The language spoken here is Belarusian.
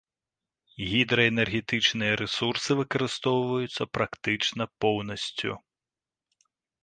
Гідраэнергетычныя рэсурсы выкарыстоўваюцца практычна поўнасцю.